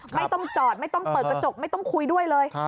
ไม่ต้องจอดไม่ต้องเปิดกระจกไม่ต้องคุยด้วยเลย